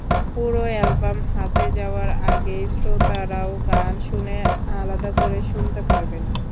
পুরো অ্যালবাম হাতে যাওয়ার আগেই শ্রোতারাও গানগুলো আলাদা করে শুনতে পারবেন।